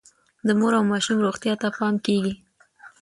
د مور او ماشوم روغتیا ته پام کیږي.